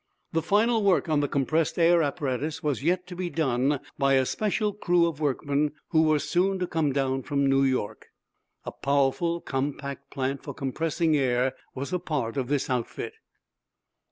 The final work on the compressed air apparatus was yet to be done by a special crew of workmen who were soon to come down from New York. A powerful, compact plant for compressing air was a part of this outfit.